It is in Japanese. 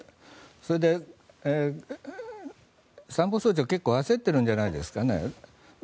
それで、参謀総長は結構焦ってるんじゃないですかね。